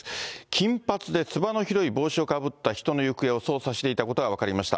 金髪でつばの広い帽子をかぶった人の行方を捜査していたことが分かりました。